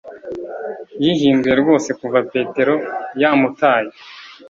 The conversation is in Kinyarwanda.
Yihinduye rwose kuva Petero yamutaye